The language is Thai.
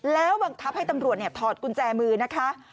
แล้วบังคับให้ตำรวจถอดกุญแจมือนะคะ